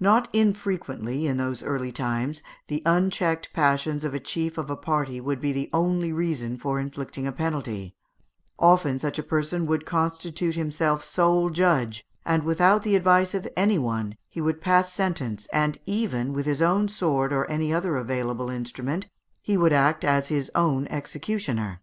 Not unfrequently, in those early times, the unchecked passions of a chief of a party would be the only reason for inflicting a penalty; often such a person would constitute himself sole judge, and, without the advice of any one, he would pass sentence, and even, with his own sword or any other available instrument, he would act as his own executioner.